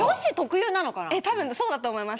たぶん、そうだと思います。